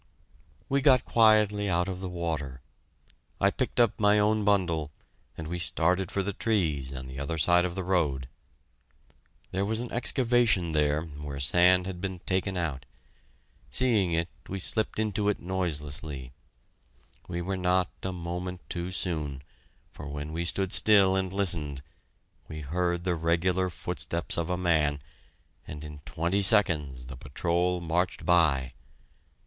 We got quietly out of the water. I picked up my own bundle, and we started for the trees on the other side of the road. There was an excavation there where sand had been taken out. Seeing it, we slipped into it noiselessly. We were not a moment too soon, for when we stood still and listened, we heard the regular footsteps of a man, and in twenty seconds the patrol marched by!